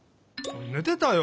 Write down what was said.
ねてたよ！